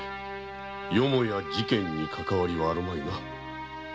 よもや事件にかかわりはあるまいな？